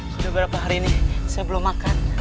sudah berapa hari ini saya belum makan